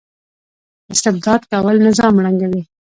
استبداد کول نظام ړنګوي